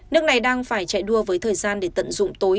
nước này đang phải chạy đua với thời gian để tận dụng tối